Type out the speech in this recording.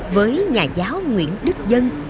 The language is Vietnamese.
với nhà giáo nguyễn đức dân